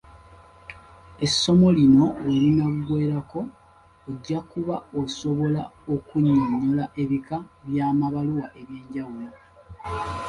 Essomo lino we linaggweerako, ojja kuba osobola okunnyonnyola ebika by'amabbaluwa eby'enjawulo.